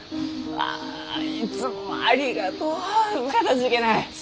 あいつもありがとう！かたじけない！